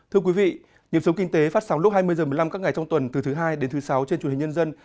thưa quý vị nhiệm sống kinh tế phát sóng lúc hai mươi h một mươi năm các ngày trong tuần từ thứ hai đến thứ sáu trên truyền hình nhân dân